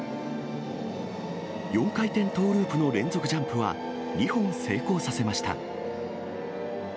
４回転トーループの連続ジャンプは、２本成功させました。